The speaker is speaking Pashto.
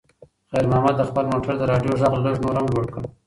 خیر محمد د خپل موټر د راډیو غږ لږ نور هم لوړ کړ.